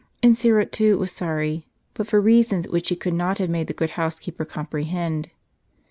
And Syra too was sorry, but for reasons which she could not have made the good housekeeper comprehend.